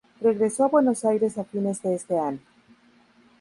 Regresó a Buenos Aires a fines de ese año.